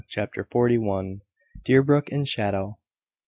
CHAPTER FORTY ONE. DEERBROOK IN SHADOW.